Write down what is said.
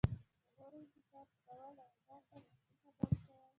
په نورو انتقاد کول او ځان ته منفي خبرې کول.